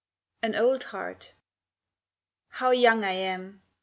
AN OLD HEART How young I am!